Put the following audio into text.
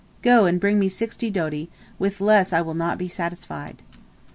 Go and bring me sixty doti, with less I will not be satisfied."